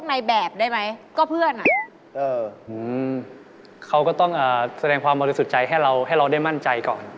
อุ๊ยหถึงมากดั้นอ่ะ